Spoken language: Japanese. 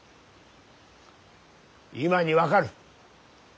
今に分かる。